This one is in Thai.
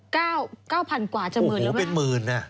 ๙๐๐๐กว่าจะหมื่นแล้วไหมครับโอ้โหเป็นหมื่น